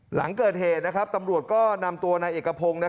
หลังเกิดเหตุตำรวจก็นำตัวนายเอกพงศ์